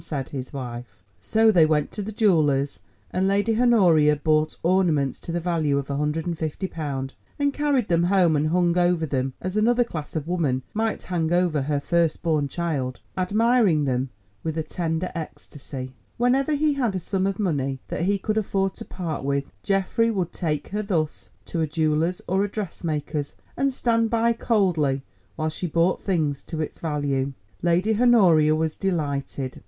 said his wife. So they went to the jeweller's, and Lady Honoria bought ornaments to the value of £150, and carried them home and hung over them, as another class of woman might hang over her first born child, admiring them with a tender ecstasy. Whenever he had a sum of money that he could afford to part with, Geoffrey would take her thus to a jeweller's or a dressmaker's, and stand by coldly while she bought things to its value. Lady Honoria was delighted.